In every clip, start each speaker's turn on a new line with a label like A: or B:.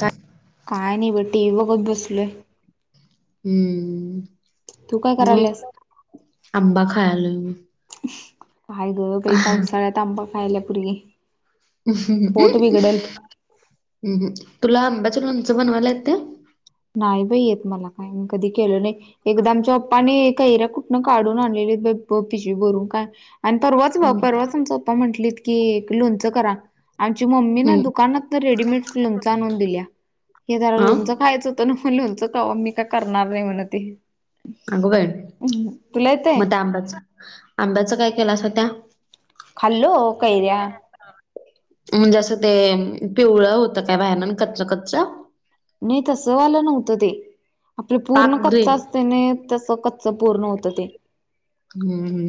A: काय?
B: काय नाही बटी, इवगत बसलोय. तू काय
A: हम्म [inaudible]
B: करायल्यास
A: मग [inaudible] आबां खायलं
B: बाय गं! काही पावसाळ्यात आंबा खायला पोरगी.
A: हम्म
B: पोट
A: अं,
B: बिघडल
A: अहं तुला [unintelligible] त्या.
B: नाही बाई येत मला काय. मी कधी केलं नाही. एकदा आमच्या पप्पानं कैऱ्या कुठनं काढून आणलेली भर भर पिशवी भरून काय आणि परवाच
A: हम्म
B: परवाच आमचे पप्पा म्हटलेत की, लोणचं करा. आमची मम्मी ना
A: हम्म
B: दुकानात रेडीमेड लोंच आणून दिल्या. हे धरा
A: हा
B: लोंच खायचं [unintelligible] लोणचं खावा. मी काय करणार नाही म्हणे ते. हम् [inaudible] तुला येतंय?
A: आंबाच आंब्याचं काय केलंसा त्या.
B: खाल्लं कैऱ्या.
A: म्हणजे असं ते पिवळं होतं का बाहेरनं कच कच?
B: नाही तस वालं नव्हतं ते. आपले
A: पाक
B: पूर्ण कच्च
A: ग्रीन
B: असते ना तसं कच्च पूर्ण होतं ते.
A: हम्म हम्म.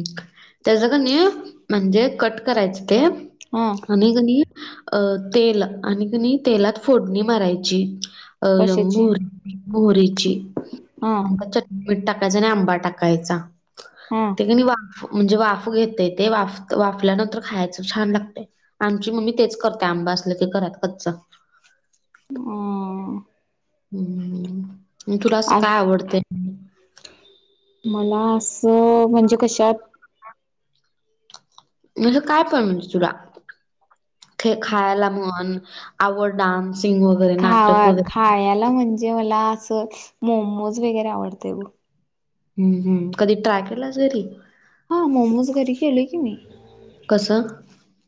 A: त्याच का नाही म्हणजे कट करायचं ते
B: हा
A: आणि कणी अ तेल, आणि कणी तेलात फोडणी मारायची. अ
B: कशाची
A: मो मोरीची
B: हा
A: [inaudible] आ मीठ टाकायचं आणि आंबा टाकायचा.
B: हा
A: नि वाफ, म्हणजे वाफ घेते ते वाफ वाफल्यानंतर खायचं, छान लागतं. आमची मम्मी तेच करते, आंबा असलं की घरात कच्चा.
B: अं
A: हम् म तुला असं
B: अ
A: काय आवडतंय?
B: [inaudible] मला असं म्हणजे कशात?
A: म्हणजं काय पण म्हणजे तुला? काही खायला म्हण, आवड डान्सिंग वगैरे नाटक
B: खवा
A: वगैरे
B: खायला म्हणजे मला असं, मोमोज वगैरे आवडतय ग.
A: हम्म हम्म, कधी ट्राय केलास घरी?
B: हा, मोमोज घरी केले की मी.
A: कसं?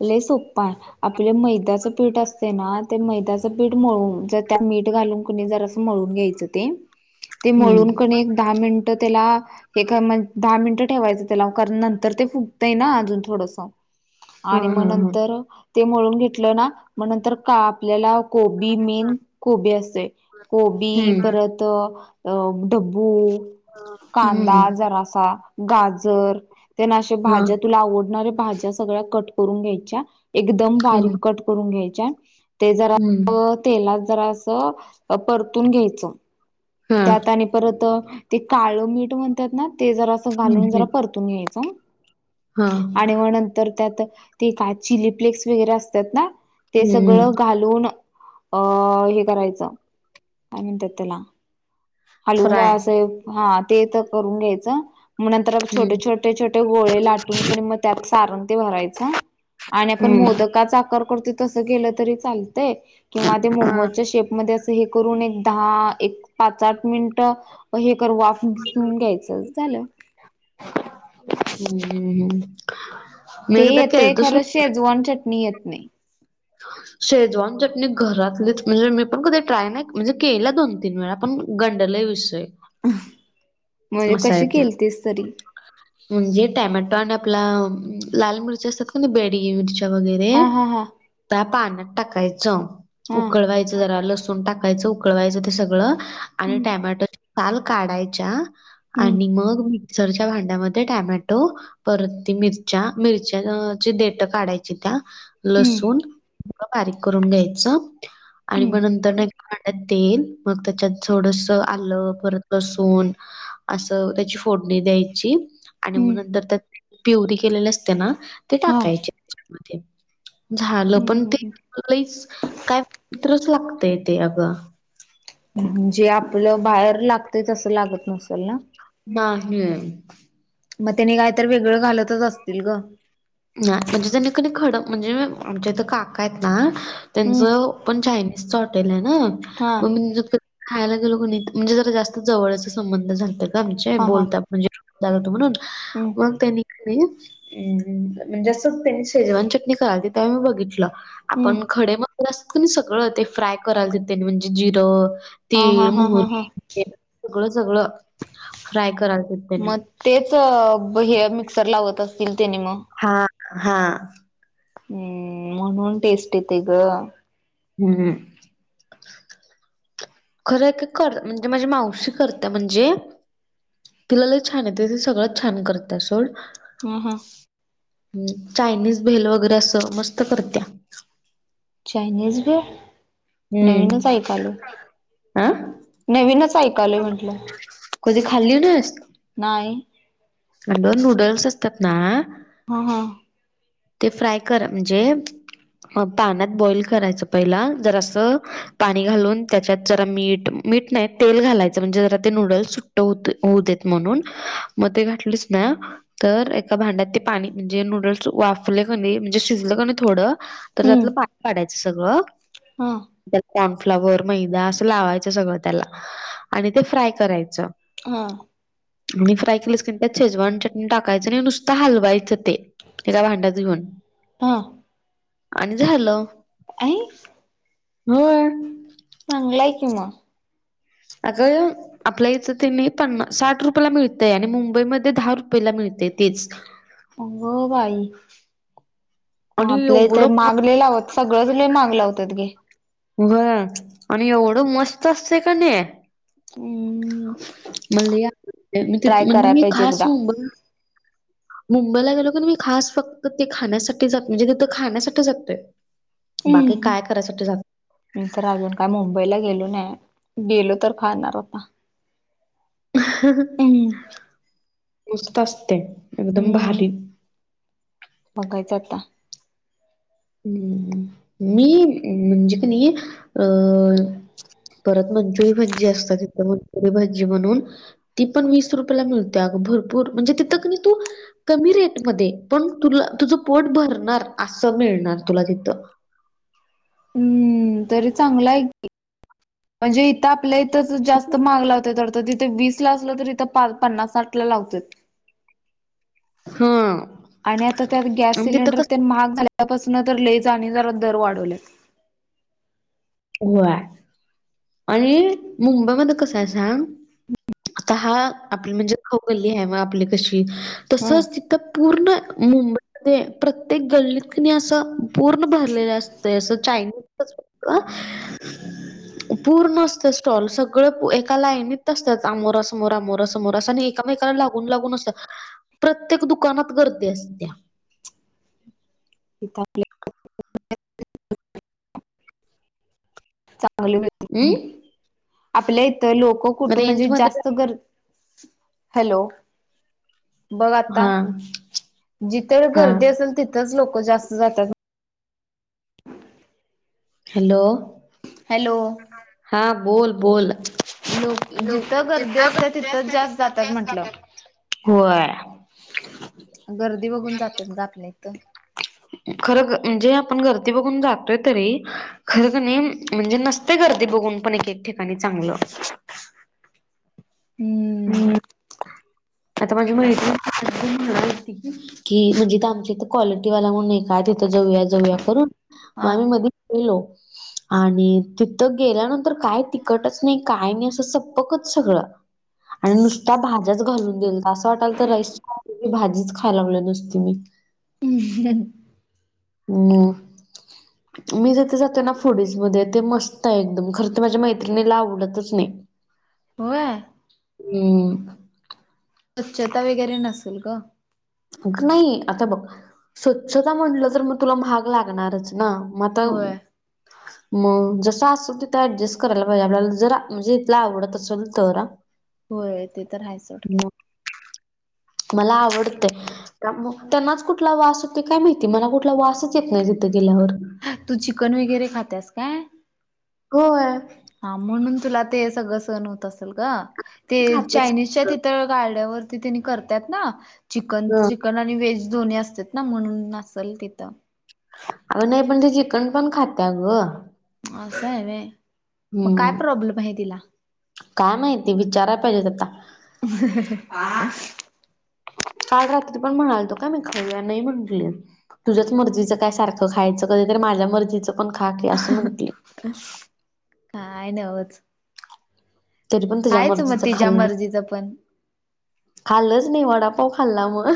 B: लई सोप्प आहे. आपले मैद्याचं पीठ असते ना, ते मैद्याचं पीठ मळून जर त्यात मीठ घालून कुणी जर मळून घ्यायचं ते.
A: [inaudible]
B: ते मळून कणी एक दहा मिनिट त्याला एक मि दहा मिनिटं ठेवायचं त्याला. कारण नंतर ते फुगतंय ना अजून थोडसं.
A: हा
B: आणि
A: हा
B: मग
A: हा
B: नंतर ते मळून घेतलं ना, मग नंतर कापलेला कोबी मेन कोबी असतेय. कोबी
A: हम्म
B: परत ढब्बू, कांदा
A: हम्म
B: जरासा गाजर त्या ना आशा
A: हा
B: भाज्या, तुला आवडणाऱ्या भाज्या सगळ्या कट करून घ्यायच्या. एकदम बारीक
A: हम्म
B: कट करून घ्यायच्या. ते जरा
A: हम्म
B: तेलात जरासं परतून घ्यायचं.
A: हा
B: त्यात आणि परत अ ते काळ मीठ म्हणतात ना. ते जरास घालून जरा परतून घ्यायच.
A: ह.
B: तेव्हा नंतर त्यात ते काय चिली फ्लेक्स वगैरे असतात ना. ते
A: हम्म
B: सगळं घालून अ हे करायचं. काय म्हणतात त्याला? हलवून
A: फ्राय
B: असं हा ते तर करून घ्यायचं. मग नंतर
A: हम्म
B: छोटे छोटे छोटे गोळे लाटून कनी मग त्यात सारण ते भरायच. आणि आपण
A: हम्म.
B: मोदकाचा आकार करतो. तस केलं तरी चालतय. किंवा ते
A: हा.
B: मोमोजच्या शेपमध्ये अस हे करून एकदाहा एक पाच आठ मिनिटं हे कर वाफ घेऊन घ्यायचं झालं.
A: हम्म हम्म हम्म.
B: ते येतय खरं. शेजवान चटणी येत नाही.
A: शेजवान चटणी घरातलीच. म्हणजे मी पण कधी ट्राय नाही. म्हणजे केला दोन तीन वेळा. पण गंडलय विषय.
B: म्हणजे
A: असा आहे
B: कशी
A: ते.
B: केलतीस तरी?
A: म्हणजे टोमॅटो आणि आपला लाल मिरच असतात का नाही. बेडगी मिरची. वगैरे.
B: हा हा हा
A: त्या पाण्यात टाकायचं.
B: हा
A: उकळवायचं जरा. लसूण टाकायचं उकळवायचं ते सगळं. आणि
B: हम्म
A: टोमॅटो साल काढायच्या.
B: हम्म
A: आणि मग मिक्सरच्या भांड्यामध्ये टोमॅटो परत ती मिरच्या, मिरच्याची देट काढायची त्या.
B: हम्म
A: लसूण बारीक करून घ्यायच. आणि
B: हम्म
A: मग नंतर ना त्याच्यात तेल. मग त्याच्यात थोडस आलं. परत लसुन असं. त्याची फोडणी द्यायची. आणि मग
B: हम्म
A: नंतर त्यात प्युरी केलेली असते ना. ते
B: हा
A: टाकायचे त्यामध्ये. झालं.
B: हम्म
A: पण
B: हम्म हम्म
A: तेत लईच काय विचित्र लागतय ते अगं.
B: जे आपलं बाहेर लागतय, तसं लागत नसल ना?
A: नाही.
B: मग त्याने काय तर वेगळं घालतच असतील ग.
A: नाही म्हणजे त्यांनी कनी खड, म्हणजे आमच्या इथं काकायेत ना. त्यांच
B: हम्म
A: पण चायनीजच हॉटेलेना.
B: हा
A: मग मी खायला गेलो क नाही. म्हणजे जरा जास्त जवळचे संबंध झालते ग आमचे.
B: हा हा
A: बोलता म्हणजे [unintelligible] तो म्हणून.
B: हम्म.
A: मग त्यांनी कनी अ, म्हणजे अस त्यांनी शेजवान चटणी करालते तवा मी बघितलं.
B: हम्म
A: आपण खडे मसाले असतो क नाही सगळं. ते फ्राय करायलाते तेनी. म्हणजे जिरं
B: हा हा
A: तीळ,
B: हा हा हा.
A: मोहरी ते सगळं सगळं फ्राय करालाते.
B: मग तेच हे मिक्सर लावत असतील तेनी मग?
A: हा हा.
B: हम्म म्हणून टेस्ट येते ग.
A: हम्म. खरं का कर, म्हणजे माझी मावशी करते म्हणजे. तिला लई छान येते. ते सगळंच छान करत्या सोड.
B: ह हां
A: चायनीज भेल वगैरे असं मस्त करत्या.
B: चायनीज भेळ.
A: हम्म आ.
B: नवीनच ऐकालंय म्हंटलं.
A: कधी खाली नाहीस.
B: नाही
A: हॅलो नूडल्स असतात ना.
B: ह हम
A: ते फ्राय कर म्हणजे. मग पाण्यात बॉईल करायचं पहिला जर असं पाणी घालून त्याच्यात जरा मीठ. मीठ नाही तेल घालायच म्हणजे जरा ते नूडल्स सुट्ट हो होऊ देत म्हणून मग ते घातले. घातलीस ना. तर एका भांड्यात ते पाणी म्हणजे नूडल्स वाफले क नाही म्हणजे शिजलं क नाही थोडं. तर
B: हम्म
A: त्यातलं पाणी पाडायचं सगळं.
B: हा
A: कॉर्नफ्लॉवर मैदा असं लावायचं सगळं त्याला आणि ते फ्राय करायचं.
B: हां
A: आणि फ्राय केलेस क त्यात शेजवान चटणी टाकायच आणि नुसतं हलवायचं ते. एका भांड्यात घेऊन
B: हा
A: आणि झालं.
B: आई.
A: होय.
B: चांगलाय की मग.
A: आग. आपल्या इथं ते नाही पन्नास साठ रुपयला मिळतय आणि मुंबईमध्ये दहा रुपयेला मिळते तेच.
B: अ ग बाई मग
A: आणि
B: आपल्या तर
A: एवढं म
B: माहागं. [inaudible] सगळं ल मागलं होत गे
A: होय आणि एवढं मस्त असत कणी
B: हम्म
A: मला लय
B: ट्राय
A: आवडती आणि
B: कराय
A: मी
B: पाहिजे
A: खास.
B: एकदा
A: मुंबईला गेलो की मी खास फक्त ते खाण्यासाठी जातो म्हणजे तिथं खाण्यासाठी जातोय. बाकी
B: हम्म
A: काय करायसाठी जातं नाही.
B: मी तर अजून काय मुंबईला गेलो नाही गेलो तर खाणार आता. हम्म
A: मस्त असते एकदम
B: हम्म
A: भारी.
B: बघायचं आता.
A: हम्म मी म्हणजे काणी. परत मंचुरी भाजी असतात, इथ मंचुरी भाजी म्हणून. ती पण वीस रुपयला मिळते अ भरपूर म्हणजे तिथं कणी तू. कमी रेटमध्ये पण तुला तुझं पोट भरणार असं मिळणार तुला तिथं.
B: हम्म तरी चांगलं आहे की, म्हणजे इथं आप. आपल्या इथंच जास्त माहाग लावतात वाटतं तिथे वीस ला असलं त इथं पाच पन्नास साठ ला लावल्यात.
A: हम्म.
B: आणि आता त्यात गॅस सिलेंडर ते महाग झाल्यापासनं तर लईच आणि जरा दर वाढवल्यात.
A: होय. आणि मुंबई मध्ये कस आहे सांग आता हा. आपली म्हणजे खाऊगली आहे आपली कशी
B: हं
A: तसंच तिथं पूर्ण. मुंबईमध्ये प्रत्येक गल्लीत क नई असं पूर्ण भरलेले असतय असं चायनीजचं [unintelligible] पूर्ण असतं स्टॉल सगळं एका लाईनत असत्यात आमोरा समोर, आमोरा समोर अस नही. एकामेकाला लागून-लागून असत्यात, प्रत्येक दुकानात गर्दी असत्या.
B: इथं आपल्या. आली ना इथं हू
A: हम्म
B: आपल्या इथं लोक कुठं
A: रेंज
B: म्हणजे
A: मध्ये
B: जास्त गर हॅलो! बघ आता
A: हा
B: जिथं
A: हा
B: गर्दी असेल तिथंच लोक जास्त जात्या. [inaudible]
A: हॅलो!
B: हॅलो!
A: हा बोल बोल.
B: लोक जिथं गर्दी असत्यां तिथंच जास्त जात्यांत म्हंटलं.
A: होय!
B: गर्दी बघून जात्यात ग आपल्या इथं.
A: खरं ग म्हणजे आपण गर्दी बघून जातोय तरी खरं कणी. म्हणजे नसतय गर्दी बघून पण एक एक ठिकाणी चांगलं.
B: [inaudible]
A: [unintelligible] कि म्हणजे इथं आमच्या इथ क्वालिटी वाला म्हणून एक हाय तिथं जाऊया, जाऊया करून म
B: हा
A: आम्ही मधी. हेलो! आणि तिथं गेल्यानंतर काय तिकटच नाही काय नाही, असं सप्पकच सगळं. आणि नुसत्या भाज्याच घालून दिलतं असं वाटालतं राईसच्या ऐवजी भाजीच खायां लागलोय नुसती मी.
B: [unintelligible]
A: [inaudible] मी जीथे जाते ना फुडीज मध्ये ते मस्त आहे एकदम खरं तर माझ्या मैत्रिणीला आवडतच नही. [inaudible]
B: व्हय!
A: [inaudible]
B: स्वच्छता वगैरे नसल ग.
A: नही आता बघ स्वच्छता म्हनंलं तर म तुला महाग लागणारच. ना म आता.
B: होय
A: म जसं असल तिथं ऍडजस्ट करायला पाहिजे आपल्याला जरां म्हणजे इथलं आवडत असेल तर आ. [inaudible]
B: होय ते तर हाय सोड.
A: म! मला आवडतंय. त्यां मग त्यांनाच कुठला वास येतोय काय माहिती मला कुठला वासच येत नाही तिथं गेल्यावर.
B: हं तू चिकन वगैरे खात्यास काय?
A: होय!
B: हा म्हणून तुला ते सगळ सहण होत असल ग ते
A: खातच
B: चायनीजच्या ति त गाड्यावरती तेनी करत्यात ना चिकन,
A: ह
B: चिकन. आणि वेज दोनी असत्यात ना म्हणून असलं तिथं.
A: अ नही पण ते चिकन पण खात्या ग.
B: असं आहे व्हय मग काय
A: हम्म
B: प्रॉब्लेम आहे तिला?
A: काय माहितीय विचारायला पाहिजेत आता.
B: [unintelligible]
A: काल रात्री पण म्हणालतो काय मी खावूया नाही म्हंटली. तुझ्याच मर्जीच काय सारखं खायचं, कधी तरी माझ्या मर्जीचं पण खा की असं म्हंणती.
B: काय नवच
A: तरी पण तुझ्या
B: हायच
A: मर्जीच
B: मग तिच्या
A: खाल्ल नाही.
B: मर्जीच पण
A: खाल्लच नाही वडापाव खाल्ला मग.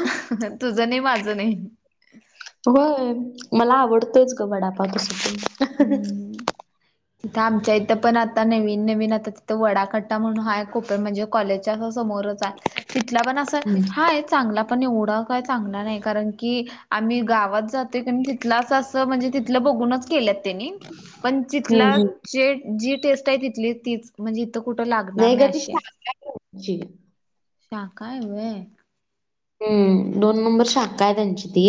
B: तुझं नाही, माझं नाही.
A: होय, मला आवडतंच ग वडापाव तस पण.
B: इथ आमच्या इथं पण आता नवीन नवीन आता तिथं वडाकट्टा म्हणून हाय खुपे म्हणजे कॉलेजच्या अस समोरच हाय तिथला पण अस
A: हम्म
B: हाय चांगला पण एवढा काय चांगला नाही कारण की आम्ही गावात जातोय की नाइ तिथला अस म्हणजे तिथला बघूनच केलेत त्यांनी पण तिथला
A: हम्म
B: जे जी टेस्ट आहे तिथली तीच म्हणजे इथं कुठं लागणार नाही अशी आहे.
A: जी.
B: शाखाय व्हय.
A: हम्म दोन नंबर शाखा आहे त्यांची ती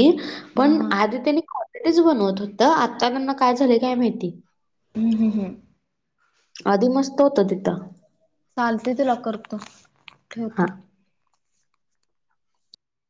B: हा
A: पण
B: हा
A: आधी त्यांनी तेच बनवत होत आता त्यांना काय झालं काय माहिती.
B: हम् हम् हम.
A: आधी मस्त होत तिथं.
B: चालते तुला करतो,
A: हा.
B: ठेवतो.